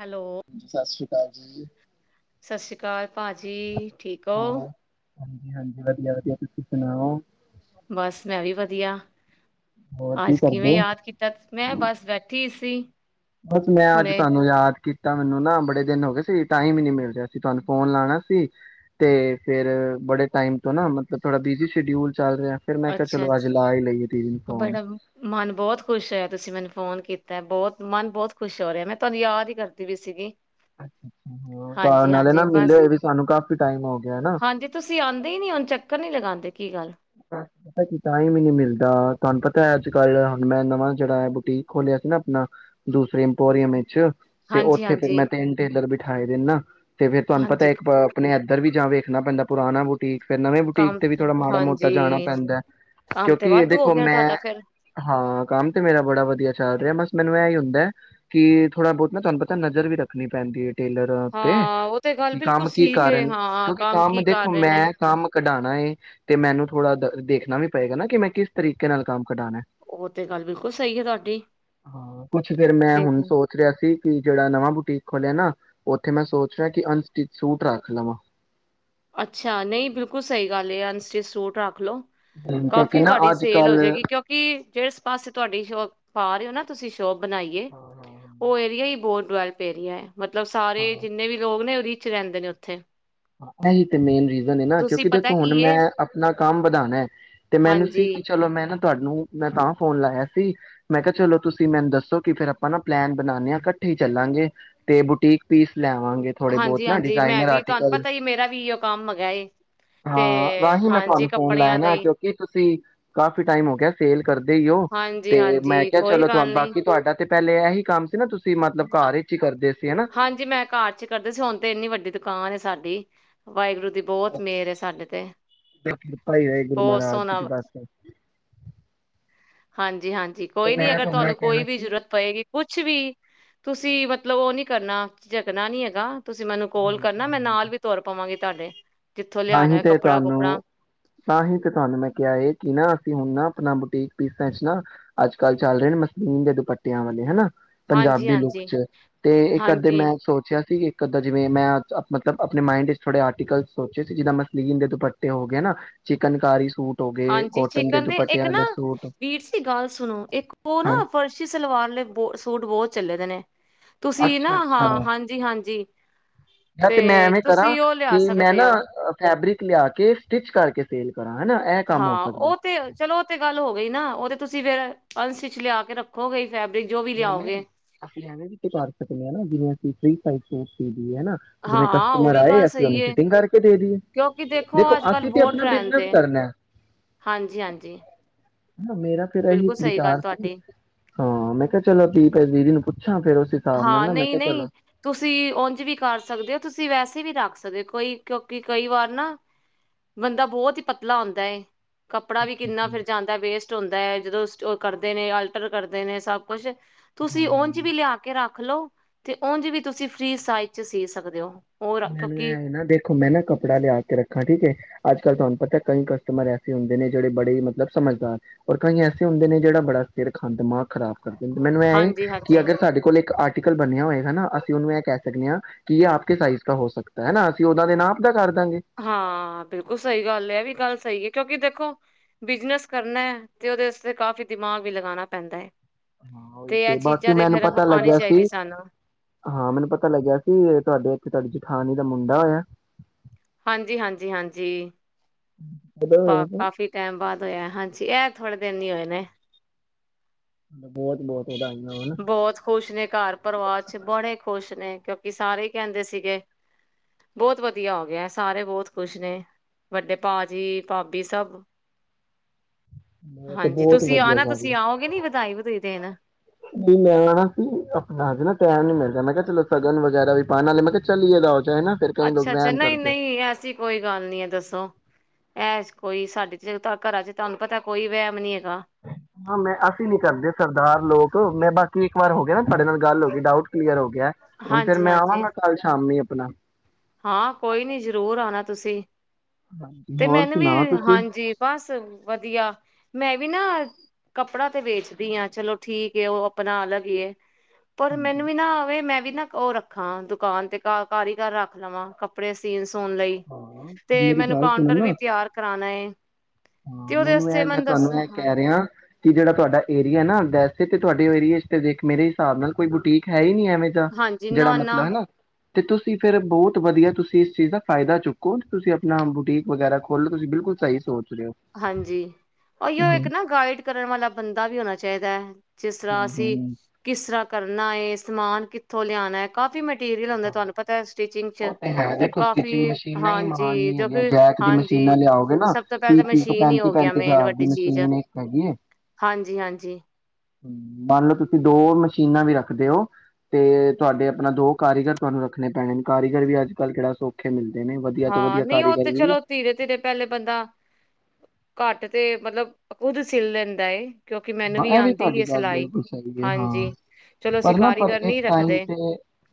Hello ਸਤਿ ਸ੍ਰੀ ਅਕਾਲ ਜੀ ਸਤ ਸ਼੍ਰੀ ਕਾਲ ਭਾਜੀ ਠੀਕ ਹੋ ਹੋਰ ਹਾਂਜੀ ਹਾਂਜੀ ਵਧੀਆ ਵਧੀਆ ਤੁਸੀਂ ਸੁਣਾਓ ਬਸ ਮੈਂ ਵੀ ਵਧੀਆ ਹੋਰ ਕੀ ਅੱਜ ਕਿਵੇਂ ਕਰਦੇ? ਯਾਦ ਕੀਤਾ ਮੈਂ ਬਸ ਬੈਠੀ ਸੀ ਬਸ ਮੈਂ ਅੱਜ ਹੁਣੇ ਤੁਹਾਨੂੰ ਯਾਦ ਕੀ ਤਾਂ ਮੈਨੂੰ ਨਾ ਬੜੇ ਦਿਨ ਹੋ ਗਏ ਸੀ ਟਾਈਮ ਹੀ ਨੀ ਮਿਲ ਰਿਹਾ ਸੀ ਤੁਹਾਨੂੰ ਫੋਨ ਲਾਉਣਾ ਸੀ ਤੇ ਫੇਰ ਬੜੇ ਟਾਈਮ ਤੋਂ ਨਾ ਮਤਲਬ ਥੋੜਾ ਬਿਜੀ ਸ਼ਡਿਊਲ ਚੱਲ ਰਿਹਾ ਫਿਰ ਮੈਂ ਕਿਹਾ ਅੱਛਾ ਚਲੋ ਅੱਜ ਲਾ ਹੀ ਲਈਏ ਦੀਦੀ ਨੂੰ ਅੱਛਾ ਫੋਨ। ਬੜਾ ਮਨ ਬਹੁਤ ਖ਼ੁਸ਼ ਹੋਇਆ ਤੁਸੀਂ ਮੈਨੂੰ ਫੋਨ ਕੀਤਾ ਬਹੁਤ ਮਨ ਬਹੁਤ ਖੁਸ਼ ਹੋ ਰਿਹਾ ਮੈਂ ਤੁਹਾਨੂੰ ਯਾਦ ਹੀ ਕਰਦੀ ਵੀ ਸੀਗੀ ਅ ਅ ਹਾਂਜੀ ਨਾਲੇ ਨਾ ਹਾਂਜੀ ਮਿਲੇ ਬਸ ਹੋਏ ਵੀ ਸਾਨੂੰ ਕਾਫੀ ਟਾਈਮ ਹੋ ਗਿਆ ਨਾ ਰ ਨੀ ਲਗਾਉਂਦੇ ਕੀ ਗੱਲ [unintelligible] ਟਾਇਮ ਈ ਨੀ ਮਿਲਦਾ। ਤਾਨੂੰ ਪਤੈ ਅੱਜ ਕੱਲ ਹੁਣ ਮੈਂ ਨਵਾਂ ਜਿਹੜਾ ਐ ਬੁਟੀਕ ਖੋਲਿਆ ਸੀ ਨਾ ਅਪਣਾ ਦੂਸਰੇ ਇੰਪੋਰੀਅਮ ਇੱਚ ਤੇ ਹਾਂਜੀ ਉੱਥੇ ਫੇਰ ਹਾਂਜੀ ਮੈਂ ਤਿੰਨ ਟੇਲਰ ਬਿ ਠਾਈ ਦਿਨ ਨਾ ਤੇ ਫੇਰ ਤੁਆਨੂੰ ਹਾਂਜੀ ਪਤੈ ਇੱਕ ਪ ਅਪਣੇ ਇੱਧਰ ਵੀ ਜਾਵੇ। ਨਾ ਪੈਂਦਾ ਪੁਰਾਣਾ ਬੁਟੀਕ ਫਿਰ ਨਵੇ ਬੁਟੀਕ ਕੰਮ ਤੇ ਵੀ ਥੋੜਾ ਮੋਟ ਤਾਂ ਹਾਂਜੀ ਜਾਣਾ ਪੈਂਦੈ ਕੰਮ ਤੇ ਕਿਉਂਕਿ ਏ ਵਾਧੂ ਹੋ ਦੇਖੋ ਗਿਆ ਮੈਂ ਤੁਹਾਡਾ ਫਿਰ ਹਾਂ ਕੰਮ ਤੇ ਮੇਰਾ ਬੜਾ ਵਧੀਆ ਚੱਲ ਵੈਮ ਬਸ ਮੈਨੂੰ ਐਈ ਹੁੰਦੈ ਕਿ ਥੋੜਾ ਬੋਤ ਨਾ ਤੁਆਨੂੰ ਪਤੈ ਨਜ਼ਰ ਵੀ ਰੱਖਣੀ ਪੈਂਦੀ ਏ। ਟੇਲਰਾਂ ਉੱਤੇ ਹਾਂ ਉਹ ਤੇ ਗੱਲ ਕਿ ਬਿਲਕੁਲ ਕੰਮ ਕੀ ਠੀਕ ਹੈ ਕਰ ਨ ਹਾਂ ਕਿਉਂਕਿ ਕੰਮ ਕੀ ਕਰ ਦੇਖੋ ਰਹੇ ਨੇ ਮੈਂ ਕੰਮ ਕਢਾ, ਆਏਂ ਤੇ ਮੈਨੂੰ ਥੋੜਾ ਦ ਦੇਖਣਾ ਵੀ ਪਏਗਾ ਨਾ ਕਿ ਮੈਂ ਕਿਸ ਤਰੀਕੇ ਨਾਲ ਕੰਮ ਕਢਾਨੈ। ਉਹ ਤੇ ਗੱਲ ਬਿਲਕੁਲ ਸਹੀ ਹੈ ਤੁਹਾਡੀ। ਹਾਂ ਕੁਛ ਫਿਰ ਮੈਂ ਹੁਣ ਦੇਖੋ ਸੋਚ ਰਿਹਾ ਸੀ ਕਿ ਜਿਹੜਾ ਨਵਾਂ ਬੁਟੀਕ ਖੋਲਿਆ ਨਾ ਉੱਥੇ ਮੈਂ ਸੋਚ ਰਿਆਂ ਕਿ ਅਨਸਟਿਚ ਸੂਟ ਰੱਖ ਲਵਾਂ। ਅੱਛਾ ਨਈ ਬਿਲਕੁਲ ਸਈ ਗੱਲ ਏ, ਅਨ ਤੁਸੀ ਸੂਟ ਰੱਖ ਲੋ। ਕਿਉਂਕਿ ਕਾਫੀ ਨਾ ਤੁਆਡੀ ਅੱਜ ਸੇਲ ਹੋ ਕੱਲ ਜੇਗੀ ਕਿਉਂਕਿ ਜੇਸ ਪਾਸੇ ਤੁਆਡੀ ਸ਼ੋਪ ਪਾ ਰਹੇ ਔ ਨਾ ਤੁਸੀਂ ਚੋਪ ਬਣਾਈਏ ਹਾਂ ਹਾਂ ਔ ਇਹਦੀਆਂ ਈ ਬੋਰ ਟੁਵੈਲ ਪੇਰੀ ਆਇਐ। ਮਤਲਬ ਸਾਰੇ ਹਾਂ ਜਿੰਨੇ ਵੀ ਲੋਗ ਨੇ ਵਿੱਚ ਰਹਿੰਦੇ ਨੇ ਉੱਥੇ। ਐਈ ਤੇ ਮੇਨ ਰਿਜ਼ ਜਾਂਦੇ ਨਾ ਤੁਸੀਂ ਕਿਉਂਕਿ ਪਤਾ ਦੇਖੋ ਕੀ ਹੁਣ ਮੈਂ ਏ ਆਪਣਾ ਕੰਮ ਵਧਾਨੈ ਤੇ ਮੈਨੂੰ ਸੀ ਕਿ ਹਾਂਜੀ, ਚਲੋ ਮੈਂ ਨਾ ਤੁਆਨੂੰ ਮੈਂ ਤਾਂ ਫੋਨ ਲਾਇਆ ਸੀ ਮੈਂ ਕਿਹਾ ਚਲੋ ਤੁਸੀਂ ਮੈਨੂੰ ਦੱਸੋ ਕਿ ਫੇਰ ਆਪਾਂ ਨਾ ਪਲੈਨ ਬਣਾਣੇ ਆਂ ਕੱਠੇ ਈ ਚੱਲਾਂਗੇ ਤੇ ਬੁਟੀਕ ਪੀਸ ਲੈਵਾਂਗੇ ਥੋੜੇ ਹਾਂਜੀ, ਬਹੁਤ ਨਾ ਹਾਂਜੀ ਮੈਂ ਡਿਜ਼ਾਇਨਰ ਵੀ ਤੁਹਾਨੂੰ ਆਰਟੀਕਲ ਪਤਾ ਹੀ ਮੇਰਾ ਵੀ ਇਓ ਕੰਮ ਹੈਗਾ ਏ। ਤੇ ਹਾਂ ਵਾਹੀਂ ਮੈਂ ਹਾਂਜੀ ਤੁਆਨੂੰ ਫੋਨ ਲਾਇਐ ਕੱਪੜਿਆਂ ਦਾ ਨਾ ਹੀ ਕਿਉਂਕਿ ਤੁਸੀਂ ਕਾਫ਼ੀ ਟਾਈਮ ਹੋ ਗਿਆ ਸੇਲ ਕਰਦੇ ਈ ਔ ਹਾਂਜੀ, ਤੇ ਹਾਂਜੀ ਮੈਂ ਕਿਹਾ ਕੋਈ ਚਲੋ ਤੁਆਨੂੰ ਗੱਲ ਨੀ ਬਾਕੀ ਤੁਆਡਾ ਤੇ ਪਹਿਲੇ ਇਹੀ ਕੰਮ ਸੀ ਨਾ ਤੁਸ ਸੀ ਮਤਲਬ ਘਾਰ ਇੱਚ ਈ ਕਰਦੇ ਸੀ। ਹਨਾ ਹਾਂਜੀ ਮੈਂ ਘਾਰ ਚ ਕਰਦੀ ਸੀ ਹੁਣ ਤੇ ਇੰਨੀ ਵੱਡੀ ਦ ਕਾਨ ਏ ਸਾਡੀ। ਵਾਹਿਗੁਰੂ ਦੀ ਬਹੁਤ [unintelligible] ਮਿਹਰ ਹੈ ਸਾਡੇ ਤੇ ਕਿਰਪਾ ਈ ਰਏ ਗੁਰੂ ਬਹੁਤ ਮਹਾਰਾਜ ਜੀ ਸੋਹਣਾ ਦੀ ਬਸ ਫਿਰ। ਹਾਂਜ ਜੀ-ਹਾਂਜੀ, ਕੋਈ ਨੀ ਅਗਰ ਤੁਹਾਨੂੰ ਕੋਈ ਵੀ ਸੀ ਜ਼ਰੂਰਤ ਪਏਗੀ ਕੁਛ ਵੀ ਤੁਸ ਸੀ ਮਤਲਬ ਉਹ ਨਹੀ ਕਰਨਾ ਜਗਣਾ ਨੀ ਹੈਗਾ। ਤੁਸੀਂ ਮੈਨੂੰ ਕੋਲ ਕਰਨਾ ਮੈਂ ਨਾਲ ਵੀ ਤੁਰ ਪਾਵਾਂਗੀ ਤੁਹਾਡੇ ਜਿੱਥੋਂ ਲਿਆਣਾ ਤਾਂਹੀ ਹੈ ਤੇ ਕੱਪੜਾ ਕੁਪੜਾ ਤੁਹਾਨੂੰ ਤਾਂਹੀ ਤੇ ਤੁਹਾਨੂੰ ਮੈਂ ਕਿਹਾ ਇਹ ਕਿ ਨਾ ਅਸੀਂ ਹੁਣ ਨਾ ਆਪਣਾ ਬੁਟੀਕ ਪੀਸਾਂ ਚ ਨਾ ਅੱਜ ਕੱਲ੍ਹ ਚੱਲ ਰਹੇ ਨੇ ਮਸਲੀਨ ਦੇ ਦੁਪੱਟਿਆਂ ਵਾਲੇ ਹਨਾ। ਹਾਂਜੀ ਪੰਜਾਬੀ ਲੁੱਕ ਹਾਂਜੀ 'ਚ ਤੇ ਇੱਕ ਅੱਧੇ ਹਾਂਜੀ ਮੈਂ ਸੋਚਿਆ ਸੀ। ਕਿੱਦਾਂ ਜਿਵੇ ਮੈਂ ਮਤਲਬ ਆਪਣੇ ਮਾਇੰਡ ਚ ਥੋੜੇ ਆਰਟੀਕਲ ਸੋਚੇ ਸੀ ਜਿੱਦਾਂ ਮਸਲੀਨ ਦੇ ਦੁਪੱਟੇ ਹੋ ਗਏ ਨਾ ਚਿਕਨਕਾਰੀ ਸੂਟ ਹੋ ਗਏ ਹਾਂਜੀ ਕੋਟਨ ਚਿਕਨ ਦੇ ਇੱਕ ਦੁਪੱਟਿਆਂ ਨਾ ਵਾਲੇ ਸੂਟ ਵੀਰ ਸੀ ਗੱਲ ਸੁਣੋ ਇੱਕ ਉਹ ਨਾ ਹਾਂ ਫਰਸ਼ੀ ਸਲਵਾਰ ਬ ਸੂਟ ਬਹੁਤ ਚੱਲੇ ਦੇ ਨੇ। ਤੁਸੀਂ ਅੱਛਾ ਨਾ ਹਾਂ ਅੱਛਾ ਹਾਂਜੀ- ਹਾਂਜੀ ਯਾਰ ਤੇ ਮੈਂ ਐਵੇਂ ਕਰਾਂ ਤੁਸੀਂ ਉਹ ਲਿਆ ਕਿ ਮੈਂ ਸਕਦੇ ਨਾ ਹੋ। ਫੈਬਰਿਕ ਲਿਆ ਕੇ ਸਟਿਚ ਕਰਕੇ ਸੇਲ ਕਰਾਂ ਹਨਾ ਇਹ ਕੰਮ ਹੋ ਹਾਂ ਸਕਦਾ ਹੈ। ਉਹ ਤੇ ਚਲੋ ਉਹ ਤੇ ਗੱਲ ਹੋ ਗਈ ਨਾ ਉਹ ਤੇ ਤੁਸੀਂ ਫੇਰ ਅਨਸਟਿਚ ਵਿੱਚ ਲਿਆ ਕੇ ਰੱਖੋਗੇ - ਨਹੀਂ -ਨਹੀਂ ਅਸੀਂ ਹੈਵੇਂ ਵੀਥੇ ਕਰ ਸਕਦੇ ਹਾਂ ਨਾ ਜਿਵੇਂ [unintelligible] ਨਾ ਜਿਵੇਂ ਹਾਂ ਉਹ ਕਸਟਮਰ ਵੀ ਆਏ ਗੱਲ ਅਸੀਂ ਸਹੀ ਉਹਹਨੂੰ ਏ ਫਿਟਿੰਗ ਕਰਕੇ ਦੇ ਦੀਏ ਕਿਉਂਕਿ ਦੇਖੋ ਅੱਜ ਕੱਲ੍ਹ ਅਸੀਂ ਤੇ ਬਹੁਤ ਆਪਣਾ ਟਰੈਂਡ ਬਿਜਨਸ ਏ ਕਰਨਾ। ਹਾਂਜੀ ਹਾਂਜੀ ਮੇਰਾ ਫੇਰ ਇਹੀ ਬਿਲਕੁਲ ਸਹੀ ਗੱਲ ਵਿਚਾਰ ਸੀ ਤੁਹਾਡੀ ਹਾਂ ਮੈਂ ਕਿਹਾ ਤੁਸੀਂ ਫਿਰ ਦੀਦੀ ਨੂੰ ਪੁ ਹਾਂ ਨਹੀਂ ਨਹੀਂ ਤੁਸੀਂ ਉਝ ਵੀ ਕਰ ਸਕਦੇ ਹੋ ਤੁਸੀਂ ਵੈਸੇ ਵੀ ਰੱਖ ਸਕਦੇ ਹੋ ਕੋਈ ਕਿਉਂਕਿ ਕਈ ਵਾਰ ਨਾ ਬੰਦਾ ਬਹੁਤ ਹੀ ਪਤਲਾ ਹੁੰਦਾ ਏ। ਕੱਪੜਾ ਵੀ ਅੱਛਾ ਕਿੰਨਾ ਅੱਛਾ ਫਿਰ ਜਾਂਦਾ ਵੇਸਟ ਹੁੰਦਾ ਹੈ ਜਦੋਂ ਕਰਦੇ ਨੇ ਅਲਟਰ ਕਰਦੇ ਨੇ ਸਭ ਕੁਛ ਹਾਂ ਤੁਸੀਂ ਹਾਂ ਉਝ ਵੀ ਲਿਆ ਰੱਖ ਲਓ ਤੇ ਉਝ ਵੀ ਤੁਸੀਂ ਫੀ੍ ਸਾਈਜ 'ਚ ਸੀ ਸਕਦੇ ਹੋ। ਹੋਰ ਮੈਨੂੰ ਕਿਉਂਕਿ ਇਹ ਨਾ ਦੇਖੋ ਮੈਂ ਨਾ ਕੱਪੜਾ ਲਿਆ ਕੇ ਰੱਖਾ ਠੀਕ ਏ। ਅੱਜ ਕੱਲ੍ਹ ਤੁਹਾਨੂੰ ਪਤਾ ਕਈ ਕਸਟਮਰ ਐਸੇ ਹੁੰਦੇ ਨੇ ਜਿਹੜੇ ਬੜੇ ਮਤਲਬ ਸਮਝਦਾਰ ਔਰ ਕਈ ਐਸੇ ਹੁੰਦੇ ਨੇ ਜਿਹੜਾ ਬੜਾ ਸਿਰ ਖੰਦ ਦਿਮਾਗ ਖ ਖਰਾਬ ਕਰ ਦ ਮੈਨੂੰ ਐ ਹਾਂਜੀ ਕਿ ਹਾਂਜੀ ਅਗਰ ਸਾਡੇ ਕੋਲ ਇੱਕ ਆਰਟੀਕਲ ਬਣਿਆ ਹੋਏਗਾ ਨਾ ਅਸੀਂ ਉਹਨੂੰ ਇਹ ਕਹਿ ਸਕਦੇ ਹਾਂ ਕਿ ਇਹ ਆਪ ਕੇ ਸਾਈਜ਼ ਹੋ ਸਕਦਾ ਹੈ ਹੈਨਾ ਅਸੀਂ ਉਹਨਾਂ ਦੇ ਨਾਪ ਦਾ ਕਰ ਦਾਂਗੇ ਹਾਂ ਬਿਲਕੁਲ ਸਹੀ ਗੱਲ ਹੈ ਏਵੀ ਗੱਲ ਸਹੀ ਏ। ਕਿਉਂਕਿ ਦੇਖੋ ਬਿਜਨਸ ਕਰਨਾ ਹੈ ਤੇ ਉਹਦੇ ਤੇ ਕਾਫੀ ਦਿਮਾਗ ਵੀ ਲਗਾਉਣਾ ਪੈਂਦਾ ਹੈ। ਹਾਂ ਉਹੀ ਇਹ ਤੇ ਬਾਕੀ ਚੀਜ਼ਾਂ ਮੈਨੂੰ ਫੇਰ ਪਤਾ ਆਉਣੀ ਲੱਗਿਆ ਚਾਹੀਦੀ ਸੀ ਸਾਨੂੰ ਹਾਂ ਮੈਨੂੰ ਪਤਾ ਲੱਗਿਆ ਸੀ ਤੁਹਾਡੇ ਇੱਥੇ ਤੁਹਾਡੀ ਜੇਠਾਣੀ ਦਾ ਮੁੰਡਾ ਹੋਇਆ। ਹਾਂਜੀ -ਹਾਂਜੀ -ਹਾਂਜੀ- ਹਾਂਜੀ ਕਦੋਂ ਬਾਹ ਹੋਇਆ ਸੀ ਕਾਫੀ ਟਾਈਮ ਬਾਅਦ ਆ ਹਾਂਜੀ ਇਹ ਥੋੜੇ ਦਿਨ ਹੀ ਹੋਏ ਨੇ [unintelligible] ਵਧਾਈਆਂ ਹੋਣ ਬਹੁਤ ਖੁਸ਼ ਨੇ ਘਰ ਪਰਿਵਾਰ ਚ ਬੜੇ ਖੁਸ਼ ਨੇ ਕਿਉਂਕਿ ਸਾਰੇ ਹੀ ਕਹਿੰਦੇ ਸੀਗੇ ਬਹੁਤ ਵਧੀਆ ਹੋ ਗਿਆ ਸਾਰੇ ਬਹੁਤ ਖੁਸ਼ ਨੇ ਵੱਡੇ ਭਾਜੀ ਭਾਬੀ ਸਭ ਬਹੁਤ ਹਾਂਜੀ ਬਹੁਤ ਤੁਸੀਂ ਆ ਵਧੀਆ ਨਾ ਗੱਲ ਹੈ ਤੁਸੀਂ ਆਓਗੇ ਨੀ ਵਧਾਈ ਵਧਾਈ ਦਿਨ ਵੀ ਮੈਂ ਆਣਾ ਸੀ ਆਪਣਾ ਹੱਜ ਨਾ ਟੈਮ ਨੀ ਮਿਲਦਾ ਮੈਂ ਕਿਹਾ ਚਲੋ ਸਗਨ ਵਗੈਰਾ ਵੀ ਪਾਣ ਵਾਲੇ ਮੈਂ ਕਿਹਾ ਚਲੀਏਦਾ ਅੱਛਾ ਅੱਛਾ ਨਹੀਂ ਨਹੀਂ ਐਸੀ ਕੋਈ ਗੱਲ ਨਹੀਂ ਦੱਸੋ ਐ ਕੋਈ ਸਾਡੇ ਚ ਜਦੋਂ ਘਰਾਂ ਚ ਤੁਹਾਨੂੰ ਪਤਾ ਕੋਈ ਵਹਿਮ ਨੀ ਹੈ- ਹਾਂ ਮੈਂ ਅਸੀਂ ਨੀ ਕਰਦੇ ਸਰਦਾਰ ਲੋਕ ਮੈਂ ਬਾਕੀ ਇੱਕ ਵਾਰ ਹੋ ਗਿਆ ਨਾ ਤੁਹਾਡੇ ਨਾਲ ਗੱਲ ਹੋ ਗਈ ਡਾਊਟ ਕਲੀਅਰ ਹੋ ਗਿਆ ਹੁਣ ਫਿਰ ਹਾਂਜੀ ਮੈਂ ਹਾਂਜੀ ਆਵਾਗਾ ਕੱਲ੍ਹ ਸ਼ਾਮੀ ਆਪਣਾ ਹਾਂ ਕੋਈ ਨੀ ਜ਼ਰੂਰ ਆਣਾ ਤੁਸੀਂ ਹਾਂਜੀ ਤੇ ਹੋਰ ਮੈਨੂੰ ਵੀ ਸੁਣਾਓ ਤੁਸੀਂ ਹਾਂਜੀ ਬਸ ਵਧੀਆ ਮੈਂ ਵੀ ਨਾ ਕੱਪੜਾ ਤੇ ਵੇਚਦੀ ਹਾਂ ਚਲੋ ਠੀਕ ਉਹ ਆਪਣਾ ਅਲੱਗ ਹੀ ਏ ਪਰ ਮੈਨੂੰ ਹਾਂਜੀ ਵੀ ਨਾ ਆਵੇ ਮੈਂ ਵੀ ਨਾ ਉਹ ਰੱਖਾ ਦੁਕਾਨ ਤੇ ਕਾਰੀਗਰ ਰੱਖ ਲਵਾਂ ਕੱਪੜੇ ਸੀਨ ਸੌਣ ਲਈ ਹਾਂ ਤੇ ਮੇਰੀ ਮੈਨੂੰ ਗੱਲ ਸੁਣੋ ਕਾਊਂਟਰ ਵੀ ਨਾ ਤਿਆਰ ਕਰਾਣਾ ਏ ਤੇ ਹਾਂ ਉਹਦੇ ਮੈਨੂੰ ਵਾਸਤੇ ਇਹ ਮੈਂ ਦੱਸ ਤੁਹਾਨੂੰ ਇਹ ਹਾਂ ਕਹਿ ਰਿਹਾ ਕਿ ਜਿਹੜਾ ਤੁਹਾਡਾ ਏਰੀਆ ਨਾ ਤੇ ਤੁਹਾਡੇ ਏਰੀਏ ਚ ਤੇ ਦੇਖ ਮੇਰੇ ਹਿਸਾਬ ਨਾਲ ਕੋਈ ਬੁਟੀਕ ਹੈ ਹੀ ਨੀ ਹੈ ਹਾਂਜੀ ਜਿਹੜਾ ਨਾ ਨਾ ਮਤਲਬ ਹਨਾ ਤੇ ਤੁਸੀਂ ਫੇਰ ਬਹੁਤ ਵਧੀਆ ਤੁਸੀਂ ਇਸ ਚੀਜ਼ ਦਾ ਫਾਇਦਾ ਚੁੱਕੋ ਤੁਸੀਂ ਆਪਣਾ ਬੁਟੀਕ ਵਗੈਰਾ ਖੋਲੋ ਤੁਸੀਂ ਬਿਲਕੁਲ ਸਹੀ ਸੋਚ ਰਹੇ ਹੋ ਹਾਂਜੀ ਓ ਹੀ ਓ ਇੱਕ ਹਮ ਨਾ ਗਾਈਡ ਕਰਨ ਵਾਲਾ ਬੰਦਾ ਵੀ ਹੋਣਾ ਚਾਹੀਦਾ ਏ ਜਿਸ ਤਰ੍ਹਾਂ ਹਮ ਅਸੀਂ ਹਮ ਕਿਸ ਤਰ੍ਹਾਂ ਕਰ ਨਾ ਇਹ ਸਮਾਨ ਕਿੱਥੋਂ ਲਿਆਣਾ ਹੈ ਕਾਫ਼ੀ ਮਟੀਰੀਅਲ ਤੁਹਾਨੂੰ ਪਤਾ ਸਚਿੰਗ ਚ ਉਹ ਤੇ ਹੈ ਦੇਖੋ ਕਾਫੀ ਸਟਿਚਿੰਗ ਮਸ਼ੀਨਾਂ ਹੀ ਮਹਾਨ ਹਾਂਜੀ ਨਹੀਂ ਜੋ ਹੈਗੀਆਂ ਕਿ ਜੈਕ ਦੀ ਮਸ਼ੀਨਾਂ ਹਾਂਜੀ ਲਿਆਓਗੇ ਨਾ ਸਭ ਤੋਂ ਤੀਹ ਪਹਿਲਾਂ ਮੈਂ ਤੀਹ ਤੋਂ ਕੀ ਨੀ ਪੈਂਤੀ ਹੋ ਗਿਆ ਪੈਂਤੀ ਮੇਨ ਹਜ਼ਾਰ ਦੀ ਵੱਡੀ ਚੀਜ਼ ਮਸ਼ੀਨ ਇੱਕ ਹੈਗੀ ਹੈ, ਹਾਂਜੀ ਹਾਂਜੀ ਮੰਨ ਲਓ ਤੁਸੀਂ ਦੋ ਮਸ਼ੀਨਾਂ ਵੀ ਰੱਖਦੇ ਹੋ ਤੇ ਤੁਹਾਡੇ ਆਪਣਾ ਦੋ ਕਾਰੀਗਰ ਤੁਹਾਨੂੰ ਰੱਖਣੇ ਪੈਣੇ ਨੇ ਕਾਰੀਗਰ ਵੀ ਅੱਜ ਕੱਲ੍ਹ ਕਿਹੜਾ ਸੌਖੇ ਮਿਲਦੇ ਨੇ ਵਧੀਆ ਤੋਂ ਹਾਂ ਵਧੀਆ ਨਹੀਂ ਉਹ ਕਾਰੀਗਰ ਤੇ ਵੀ ਚਲੋ ਧੀਰੇ ਧੀਰੇ ਪਹਿਲੇ ਬੰਦਾ ਘੱਟ ਤੇ ਮਤਲਬ ਖੁਦ ਸਿਲ ਲੈਂਦਾ ਏ ਕਿਉਂਕਿ ਮੈਨੂੰ ਇਹ ਵੀ ਆਉਂਦੀ ਤੁਹਾਡੀ ਹੈ ਗੱਲ ਸਿਲਾਈ ਬਿਲਕੁਲ ਸਹੀ ਐ, ਹਾਂਜੀ ਹਾਂ ਚਲੋ ਅਸੀਂ ਪਰ ਨਾ ਪਰ ਕਾਰੀਗਰ ਇੱਕ ਨੀ ਟਾਈਮ ਰੱਖਦੇ ਤੇ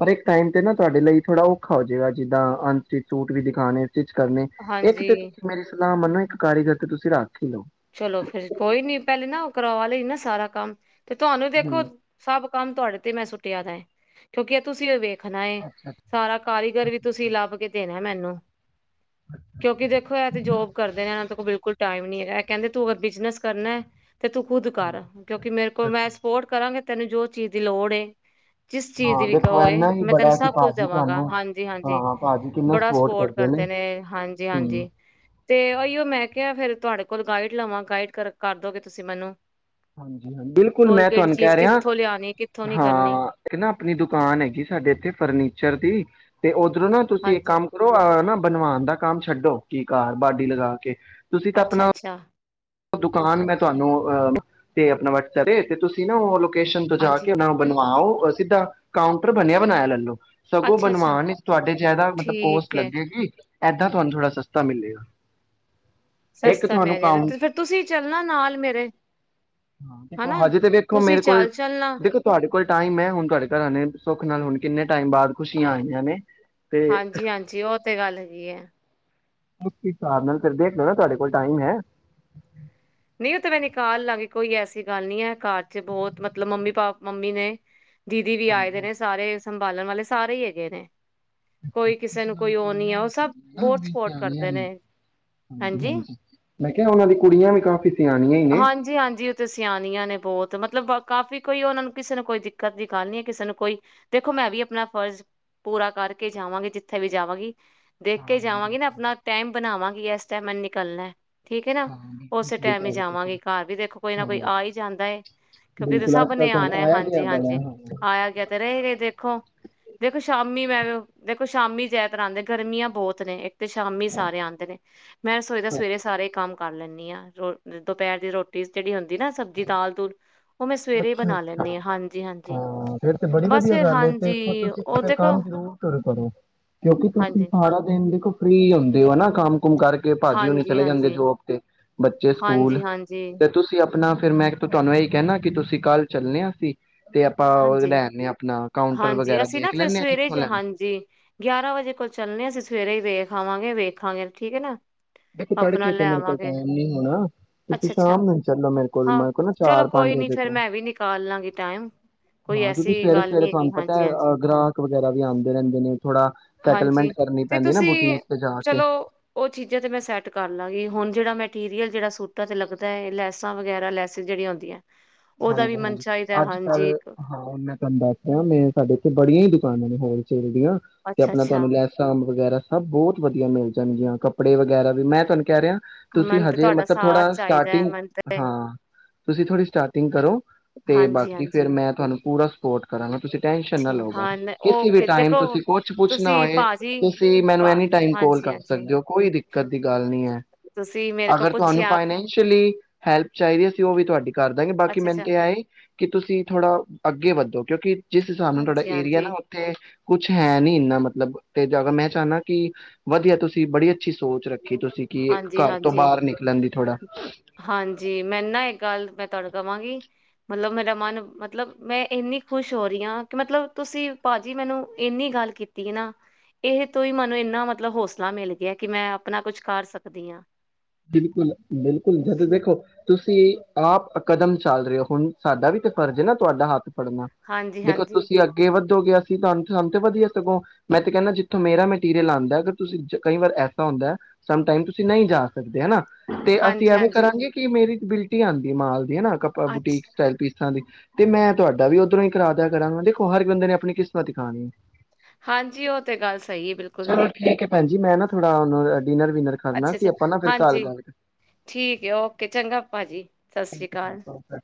ਹਰ ਇਕ ਟਾਈਮ ਤੇ ਨਾ ਤੁਹਾਡੇ ਲਈ ਥੋੜਾ ਔਖਾ ਹੋਜੇਗਾ ਜਿੱਦਾਂ ਐਨਸੀਟਿਉਟ ਵੀ ਦਿਖਾਣੇ, ਚ ਕਰਨੇ ਇੱਕ ਤੇ ਹਾਂਜੀ ਮੇਰੀ ਸਲਾਹ ਮੰਨੇ, ਇੱਕ ਕਾਰੀਗਰ ਤੇ ਤੁਸੀਂ ਰੱਖ ਹੀ ਲਓ। ਚਲੋ ਫੇਰ ਕੋਈ ਨੀ ਪਹਿਲੇ ਨਾ ਉਹ ਕਰਵਾ ਲਈ ਨਾ ਸਾਰਾ ਕੰਮ, ਤੇ ਤੁਹਾਨੂੰ ਦੇਖੋ ਹੂੰ ਸਭ ਕੰਮ ਤੁਹਾਡੇ ਤੇ ਮੈਂ ਸੁੱਟਿਆ ਦਾ ਕਿਉਂਕਿ ਇਹ ਤੁਸੀਂ ਵੇਖ, ਰੱਖਣਾ ਐ ਅੱਛਾ ਅੱਛਾ ਸਾਰਾ ਕਾਰੀਗਰ ਵੀ ਅੱਛਾ ਤੁਸੀਂ ਲੱਭ ਕੇ ਦੇਣਾ। ਮੈਨੂੰ, ਕਿਉਂਕਿ ਦੇਖੋ ਇਹ ਤੇ ਜੋਬ ਕਰਦੇ ਨੇ ਇਹਨਾਂ ਦੇ ਕੋਲ ਬਿਲਕੁਲ, ਟਾਈਮ ਨੀ ਹੈ। ਕਹਿੰਦੇ ਤੂੰ ਅਗਰ ਬਿਜਨਸ ਕਰਨਾ, ਤੇ ਤੂੰ ਖੁਦ ਕਰ ਕਿਉਂਕਿ ਮੇਰੇ ਅੱਛਾ ਕੋਲ ਮੈਂ ਅੱਛਾ। ਸਪੋਰਟ ਕਰਾਂਗੇ। ਤੈਨੂੰ ਜੋ ਚੀਜ਼ ਦੀ ਲੋੜ ਐ, ਜਿਸ ਚੀਜ਼ ਦੀ ਹਾਂ ਵੀ ਦੇਖੋ ਹੋਏ ਇਨਾ ਹੀ ਮੈਂ ਤੈਨੂੰ ਬੜਾ ਕਿ ਸਭ ਕੁਛ ਭਾਜੀ ਦੇਵਾਂਗਾ, ਤੁਹਾਨੂੰ ਹਾਂਜੀ-ਹਾਂਜੀ ਬੜਾ ਸਪੋਰਟ ਕਰਦੇ ਨੇ ਹਾਂਜੀ ਹੂੰ, ਹਾਂਜੀ ਤੇ ਔਈਓ ਮੈਂ ਕ ਫੇਰ ਤੁਹਾਡੇ, ਕੋਲ ਗਾਈਡ ਲਵਾਂ ਗਾਈਡ ਕਰ ਕਰਦੋਗੇ ਤੁਸੀਂ ਮੈਨੂੰ ਹਾਂਜੀ ਹਾਂ ਬਿਲਕੁਲ ਕੋਲ ਮੈਂ ਕਿਹੜੀ ਤੁਹਾਨੂੰ ਕਹਿ ਚੀਜ਼ ਰਿਹਾ ਕਿੱਥੋਂ ਲਿਆਣੀ ਕਿੱਥੋਂ ਨੀ ਕਰਨੀ ਹਾਂ ਇੱਕ ਨਾ ਆਪਣੀ ਦੁਕਾਨ ਹੈਗੀ ਸਾਡੇ ਇੱਥੇ ਫਰਨੀਚਰ ਦੀ, ਤੇ ਉਹ, ਨਾ ਤੁਸੀਂ ਇੱਕ ਹਾਂਜੀ ਕੰਮ ਕਰੋ ਨਾ, ਬਣਵਾਣ ਦਾ ਕੰਮ ਛੱਡੋ ਕੀ ਕਾਰ ਬਾਡੀ ਲਗਾ ਕੇ, ਤੁਸੀਂ ਤਾਂ ਆਪਣਾ ਅੱਛਾ-ਅੱਛਾ, ਦੁਕਾਨ ਮੈਂ ਤੁਹਾਨੂੰ ਅ ਤੇ ਆਪਣਾ ਬਟ ਤੇ ਤੁਸੀਂ ਨਾ ਉਹ ਮਤਲਬ ਸ਼ਟੇਸ਼ਨ ਤੋ ਜਾ ਹਾਂਜੀ ਕੇ ਉਹਨਾਂ ਨੂੰ ਬਣਵਾਓ, ਸਿੱਧਾ ਕਾਊਂਟਰ ਬਣਿਆ ਬਣਾਇਆ ਲੈਲੋ, ਸਗੋਂ ਅੱਛਾ ਅੱਛਾ ਬਣਵਾਨ ਤੁਹਾਡੇ ਚ ਇਹਦਾ ਮਤਲਬ ਠੀਕ ਕੋਸਟ ਹੈ ਲੱਗੇਗੀ। ਏਦਾਂ ਤੁਹਾਨੂੰ ਥੋੜ੍ਹਾ ਸਸਤਾ ਮਿਲੇਗਾ। ਇੱਕ ਸਸਤਾ ਤੁਹਾਨੂੰ ਮਿਲ ਜਾਏਗਾ ਕੰਮ, ਤੇ ਫੇਰ ਤੁਸੀਂ ਚੱਲਣਾ ਨਾਲ ਮੇਰੇ ਹਾਂ ਦੇਖੋ ਹਨਾ, ਤੁਸੀਂ ਚੱਲ ਚੱਲਣਾ। ਬਿਲਕੁਲ ਟਾਈਮ ਹੈ, ਹੁਣ ਤੁਹਾਡੇ ਘਰਾਂ ਨੇ ਸੁੱਖ ਨਾਲ ਹੁਣ ਕਿੰਨੇ ਟਾਈਮ ਬਾਅਦ ਖੁਸ਼ੀਆਂ ਆਈਆਂ ਨੇ। ਤੇ ਹਾਂਜੀ-ਹਾਂਜੀ ਉਹ ਤੇ ਗੱਲ ਹੈਗੀ ਹੈ, ਉਸ ਹਿਸਾਬ ਨਾਲ ਫਿਰ ਦੇਖ ਲਓ, ਨਾ ਤੁਹਾਡੇ ਕੋਲ ਟਾਈਮ ਹੈ। ਨਹੀਂ ਉਹ ਤੇ ਮੈਂ ਨਿਕਾਲ ਲਾਂਗੀ ਕੋਈ ਐਸੀ ਗੱਲ ਨੀ ਹੈ, ਘਰ ਚ ਬਹੁਤ ਮਤਲਬ ਮੰਮੀ ਪਾ ਮੰਮੀ ਨੇ, ਦੀਦੀ ਵੀ ਆਏ ਹਾਂਜੀ ਦੇ ਨੇ ਹਾਂਜੀ ਸਾਰੇ, ਸੰਭਾਲਣ ਵਾਲੇ ਸਾਰੇ ਹੀ ਹੈਗੇ ਨੇ, ਕੋਈ ਕਿਸੇ ਨੂੰ ਕੋਈ ਉਹ ਨੀ ਕੁੜੀਆਂ ਹੈ ਉਹ ਸਭ ਬਹੁਤ ਵੀ ਸਪੋਰਟ ਸਿਆਣੀ ਹ ਕਰਦੇ ਨੇ ਹਾਂਜੀ ਮੈਂ ਕਿਹਾ ਉਹਨਾਂ ਦੀ ਕੁੜੀਆਂ ਵੀ ਕਾਫੀ ਹਾਂਜੀ -ਹਾਂਜੀ ਸਿਆਣੀਆਂ ਨੇ ਬਹੁਤ ਮਤਲਬ ਕਾਫ਼ੀ ਕੋਈ ਉਹਨਾਂ ਨੂੰ ਕਿਸੇ ਨੂੰ ਕੋਈ ਦਿੱਕਤ ਦੀ ਗੱਲ ਨੀ ਹੈ ਕਿਸੇ ਨੂੰ ਕੋਈ ਦੇਖੋ ਮੈਂ ਵੀ ਆਪਣਾ ਫਰਜ਼ ਪੂਰਾ ਕਰਕੇ ਜਾਵਾਂਗੀ ਜਿੱਥੇ ਵੀ ਜਾਵਾਂਗੀ। ਦੇਖ ਕੇ ਹਾਂ ਹਾਂ ਜਾਵਾਂਗੇ ਨਾ ਬਿਲਕੁਲ ਆਪਣਾ ਟਾਈਮ ਬਣਾਵਾਂਗੀ ਇਸ ਟਾਈਮੈਨ ਨਿਕਲਣਾ। ਠੀਕ ਨਾ ਹਾਂ ਬਿਲਕੁਲ ਉਸ ਸਹੀ ਟਾਈਮ ਕਹਿ ਵਿੱਚ ਰਹੇ ਤੁਸੀਂ ਵਾਂਗੀ ਘਰ ਵੀ ਦੇਖੋ ਕੋਈ ਨਾ ਹਾਂ ਕੋਈ ਆ ਹੀ ਜਾਂਦਾ ਹੈ ਕਿਉਂਕਿ ਬਿਲਕੁਲ ਸਭ ਅੱਜ ਕੱਲ ਨੇ ਆਣਾ ਤੁਹਾਨੂੰ ਹੈ ਆਇਆ ਗਿਆ ਹਾਂਜੀ ਬੜਿਆ ਹਾਂਜੀ ਹਾਂ ਆਇਆ ਗਿਆ ਤੇ ਰਹੇ ਗਏ ਦੇਖੋ ਦੇਖੋ ਸ਼ ਮੰਮੀ ਮੈਂ ਦੇਖੋ ਸ਼ਾਮੀ ਜ ਤਰ੍ਹਾਂ ਆਉਂਦੇ ਗਰਮੀਆਂ ਬਹੁਤ ਨੇ ਤੇ ਸ਼ਾਮੀ ਸਾਰੇ ਆਉਂਦੇ ਨੇ ਮੈਂ ਰਸੋਈ ਦਾ ਸਵੇਰੇ ਸਾਰੇ ਕੰਮ ਕਰ ਲੈਂਦੀ ਹਾਂ ਰੋ ਦੁਪਹਿਰ ਦੀ ਰੋਟੀ ਜਿਹੜੀ ਹੁੰਦੀ ਨਾ ਸਬਜ਼ੀ ਦਾਲ ਦੂਲ ਉਹ ਮੈਂ ਸਵੇਰੇ ਹੀ ਅੱਛਾ ਬਣਾ -ਅੱਛਾ ਲੈਂਦੀ ਹਾਂ ਹਾਂਜੀ ਹਾਂਜੀ ਹਾਂ ਫੇਰ ਤੇ ਬੜੀ ਬਸ ਵਧੀਆ ਫਿਰ ਗੱਲ ਹਾਂਜੀ ਤੇਖੋ ਤੁਸੀਂ ਤੇ ਉਹ ਫਿਰ ਦੇਖੋ ਕੰਮ ਜ਼ਰੂਰੁਰ ਕਰ ਸਕੋ। ਕਿਉਂਕਿ ਤੁਸੀਂ ਹਾਂਜੀ ਸਾਰਾ ਦਿਨ ਦੇਖੋ ਫਰੀ ਹੁੰਦੇ ਹੋ ਨਾ ਕੰਮ ਘੁੰਮ ਕਰਕੇ ਭਾਜੀ ਹੋਨੀ ਹਾਂਜੀ ਚਲੇ ਜਾਂਦੇ ਹਾਂਜੀ ਜੋਬ ਤੇ ਬੱਚੇ ਸਕੂਲ ਹਾਂਜੀ ਹਾਂਜੀ ਤੇ ਤੁਸੀਂ ਆਪਣਾ ਫੇਰ ਮੈਂ ਇੱਕ ਤੁਹਾਨੂੰ ਇਹੀ ਕਹਿਣਾ ਕਿ ਤੁਸੀਂ ਕੱਲ ਚੱਲਨੇ ਅਸੀ ਹਾਂਜੀ -ਹਾਂਜੀ ਵਗੈਰਾ ਅਸੀਂ ਨਾ ਦੇਖ ਫਿਰ ਲੈਂਣੇ ਆ ਸਵੇਰੇ ਕਿੱਥੋਂ ਜ ਲੈਣਾ ਹਾਂਜੀ ਗਿਆਰਾਂ ਵਜੇ ਕੋਲ ਚੱਲਣੇ ਅਸੀਂ ਸਵੇਰੇ ਹੀ ਵੇਖ ਆਵਾਂਗ ਵੇਖਾਂਗੇ ਠੀਕ ਹੈ ਨਾ ਦੇਖੋ ਆਪਣਾ ਤੜਕੇ ਤੇ ਲੈ ਮੇਰੇ ਕੋਲ ਆਵਾਂਗੇ ਟੈਮ ਨੀ ਹੋਣਾ ਤੁਸੀਂ ਅੱਛਾ ਅੱਛਾ ਸ਼ਾਮ ਨੂੰ ਚਲੋ ਮੇਰੇ ਕੋਲ ਹਾਂ ਮੇਰੇ ਕੋਲ ਨਾ ਚਲੋ ਚਾਰ ਕੋਈ ਪੰਜ ਨੀ ਵਜੇ ਫੇਰ ਤੋਂ ਮੈਂ ਵੀ ਨਿਕਾਲ ਲਾਂਗੀ ਟਾਈਮ ਕੋਈ ਹਾਂ ਕਿਉਂਕਿ ਐਸੀ ਸਵੇਰੇ ਗੱਲ ਸਵੇਰੇ ਨੀ ਹੈਗੀ ਤੁਹਾਨੂੰ ਪਤਾ ਹਾਂਜੀ ਹਾਂਜੀ ਹੈਹ ਗ੍ਰਾਹਕ ਵਗੈਰਾ ਵੀ ਆਂਦੇ ਰਹਿੰਦੇ ਨੇ ਥੋੜਾ ਸੈਟਲਮੈਂਟ ਹਾਂਜੀ ਕਰਨੀ ਤੇ ਪੈਂਦੀ ਨਾ ਬੁਟੀਕ ਤੇ ਜਾ ਕੇ। ਜਜ ਤਾਂ ਮੈਂ ਸੈਟ ਕਰ ਲਵਗੀ ਹੁਣ ਜਿਹੜਾ ਮਟੀਰੀਅਲ ਜਿਹੜਾ ਸੂਾਂ 'ਤੇ ਲੱਗਦਾ ਹੈ ਲੈਸਾਂ ਵਗੈਰਾ ਲੈਸਿਸ ਜਿਹੜੀਆਂ ਆੁੰਂਦੀਆਂ ਹਾਂਜੀ- ਹਾਂਜੀ ਅੱਜ ਇੱਕ ਕੱਲ੍ਹ ਹਾਂ ਹੁਣ ਮੈਂ ਤੁਹਾਨੂੰ ਦੱਸ ਰਿਹਾ ਮੈਂ ਸਾਡੇ ਇੱਥੇ ਬੜੀਆਂ ਹੀ ਦੁ ਪਾਉਂਦੇ ਨੇ ਹੋਰ ਚ ਤੇ ਅੱਛਾ ਆਪਣਾ ਅੱਛਾ ਤੁਹਾਨੂੰ ਲੈਸ ਅੰਬ ਵਗੈਰਾ ਸਭ ਬਹੁਤ ਵਧੀਆ ਮਿਲ ਜਾਣਗੀਆਂ ਕੱਪੜੇ ਵਗੈਰਾ ਵੀ ਮੈਂ ਤੁਹਾਨੂੰ ਕਹਿ ਰਿਹਾ। ਤੁਸੀਂ ਮੈਨੂੰ ਤੇ ਹਜੇ ਤੁਹਾਡਾ ਮਤਲਬ ਸਾਥ ਥੋੜਾ ਚਾਹੀਦਾ ਹੈ ਸਟਾਰਟਿੰਗ ਮੈਨੂੰ ਤੇ ਹਾਂ ਤੁਸੀਂ ਥੋੜ੍ਹੀ ਸਟਾਰਟ ਕਰੋ ਤੇ ਹਾਂਜੀ ਬਾਕੀ ਫੇਰ ਹਾਂਜੀ ਮੈਂ ਤੁਹਾਨੂੰ ਪੂਰਾ ਸਪੋਰਟ ਕਰਾਂਗੇ ਤੁਸੀਂ ਟੈਨਸ਼ਨ ਨਾ ਠੀਕ ਲਵੋ ਹਾਂ ਕਿਸੇ ਵੀ ਓਕੇ ਟਾਈਮ ਦੇਖੋ ਤੁਸੀਂ ਕੁਛ ਪੁੱਛਣਾ ਤੁਸੀਂ ਹੋਏ ਭਾਜੀ ਤੁਸੀਂ ਮੈਨੂੰ ਭਾ- ਐਨੀ ਟਾਈਮ ਕੋਲ ਹਾਂਜੀ ਕਰ ਹਾਂਜੀ ਸਕਦੇ ਹੋ ਕੋਈ ਦਿੱਕਤ ਦੀ ਗੱਲ ਨਹੀਂ ਹੈ ਤੁਸੀਂ ਮੇਰੇ ਕੋਲ ਅਗਰ ਤੁਹਾਨੂੰ ਪੁੱਛਿਆ ਫਾਈਨੈਂਸ਼ਅਲੀ ਹੈਲਪ ਚਾਹੀਦੀ ਹੈ ਸੀ ਉਹ ਵੀ ਤੁਹਾ ਤੇ ਕਰਦੈ। ਕੀ ਅੱਛਾ ਮੈਂ ਨ ਅੱਛਾ ਤੇ ਆਏ ਕਿ ਤੁਸੀਂ ਥੋੜਾ ਅੱਗੇ ਵੱਧੋ ਕਿਉਂਕਿ ਜਿਸ ਹਿਸਾਬ ਨਾਲ ਤੁਹਾਡਾ ਹਾਂਜੀ ਏਰੀਆ ਹਾਂਜੀ ਨਾ ਉੱਥੇ ਕੁਛ ਹੈ ਨੀ ਇੰਨਾ ਮਤਲਬ ਤੇ ਮੈਂ ਚਾਹੁੰਨਾ ਕਿ ਵਧੀਆ ਤੁਸੀਂ ਬੜੀ ਅੱਛੀ ਸੋਚ ਰੱਖ ਕੀ ਤੁਸੀਂ ਕੀ ਘਰ ਤੋਂ ਹਾਂਜੀ-ਹਾਂਜੀ, ਹਾਂਜੀ ਬਾਹਰ ਨਿਕਲਣ ਦੀ ਥੋੜਾ ਹਾਂਜੀ ਮੈਂ ਨਾ ਇੱਕ ਗੱਲ ਮੈਂ ਤੁਹਾਨੂੰ ਕਵਾਂਗੀ ਮਤਲਬ ਮੇਰਾ ਮਨ ਮਤਲਬ ਮੈਂ ਇੰਨੀ ਖੁਸ਼ ਹੋ ਰਹੀ ਹਾਂ ਕਿ ਮਤਲਬ ਤੁਸੀਂ ਭਾਜੀ ਮੈਨੂੰ ਇਨੀ ਗੱਲ ਕੀਤੀ ਨਾ ਇਹ ਤੋਂ ਹੀ ਮੈਨੂੰ ਇੰਨਾ ਮਤਲਬ ਹੌਸਲਾ ਮਿਲ ਗਿਆ ਕਿ ਮੈਂ ਆਪਣਾ ਕੁਛ ਕਰ ਸਕਦੀ ਹਾਂ ਬਿਲਕੁਲ ਬਿਲਕੁਲ ਜਦੋਂ ਦੇਖੋ ਤੁਸੀਂ ਆਪ ਕਦਮ ਚੱਲ ਰਹੇ ਹੋ ਹੁਣ ਸਾਡਾ ਵੀ ਤਾਂ ਫਰਜ਼ ਹੈ ਨਾ ਤੁਹਾਡਾ ਹੱਥ ਪੜ੍ਹਨਾ ਦੇਖੋ ਹਾਂਜੀ-ਹਾਂਜੀ, ਤੁਸੀਂ ਅੱਗੇ ਵੱਧ ਹੋ ਗਿਆ ਸੀਂ ਤੁਹਾਨੂੰ, ਸਾਨੂ ਤੇ ਵਧੀਆ ਸਗੋਂ ਮੈਂ ਤੇ ਕਹਿੰਦਾ ਜਿੱਥੋਂ ਮੇਰਾ ਮਟੀਰੀਅਲ ਆਉਂਦਾ ਅਗਰ ਤੁਸੀਂ ਕਈ ਵਾਰ ਐਸਾ ਹੁੰਦਾ ਹੈ ਸਮ ਟਾਈਮ ਤੁਸੀਂ ਨਹੀਂ ਜਾ ਸਤਯ ਹੈਂ ਨਾ ਤੇ ਅਸੀਂ ਐਵੇਂ ਹਾਂਜੀ-ਹਾਂਜੀ, ਕਰਾਂਗੇ ਕਿ ਮੇਰੀ ਬਿਲਟੀ ਆਂਦੀ ਹੈ ਮਾਲ ਯੇ ਹੈ ਨਾ ਕੱਪੜਾ ਅੱਛ ਹਾਂਜੀ ਬੁਟੀਕ ਅੱਛਾ ਸਟਾਈਲ ਪੀਸਾਂ ਦੀ ਤੇ ਮੈਂ ਤੁਹਾਡਾ ਵੀ ਔਧਰੋਂ ਹੀ ਕਰਾ ਦਿਆ ਕਰਾਂਗਾ ਦੇਖੋ ਹਰ ਇੱਕ ਬੰਦੇ ਨੇ ਆਪਣੀ ਕਿਸਮਤ ਖਾਣੀ ਹਾਂਜੀ ਉਹ ਤੇ ਗੱਲ ਸਹੀ ਹੈ ਬਿਲਕੁਲ ਹਾਂਜੀ ਮੈਂ ਨਾ ਥੋੜਾ ਉਹਨਾ ਦਾ ਡਿਨਰ ਵਿਨਰ ਕਰਨਾ ਸੀ ਅੱਛਾ-ਅੱਛਾ, ਆਪ ਹਾਂਜੀ ਠੀਕ ਹੈ ਔਕੇ ਚੰਗਾ ਭਾਜੀ ਸਤਿ ਸ੍ਰੀ ਠੀਕ ਹੈ ਭੈਣ ਜੀ, ਅਕਾਲ ਓਕੇ।